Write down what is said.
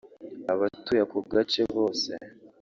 Abatuye ako gace bose